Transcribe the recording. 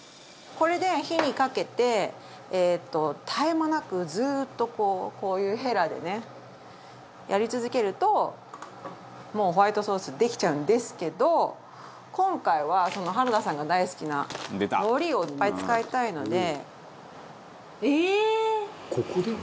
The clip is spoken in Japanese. これで火にかけて絶え間なくずっとこうこういうヘラでねやり続けるともうホワイトソースできちゃうんですけど今回は原田さんが大好きな海苔をいっぱい使いたいので。